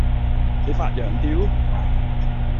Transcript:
你發羊吊?